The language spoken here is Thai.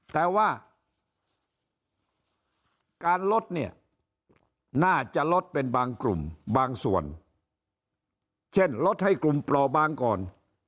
แต่ว่าการลดเนี่ยน่าจะลดเป็นบางกลุ่มบางส่วนเช่นลดให้กลุ่มปลอบางก่อน